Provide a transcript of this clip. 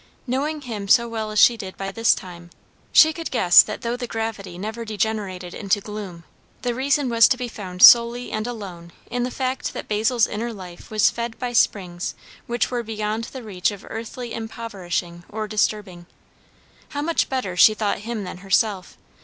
Knowing him so well as she did by this time, she could guess that though the gravity never degenerated into gloom, the reason was to be found solely and alone in the fact that Basil's inner life was fed by springs which were beyond the reach of earthly impoverishing or disturbing. How much better she thought him than herself!